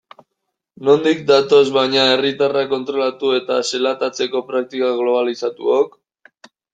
Nondik datoz baina herriatarrak kontrolatu eta zelatatzeko praktika globalizatuok?